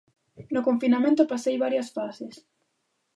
No confinamento pasei varias fases.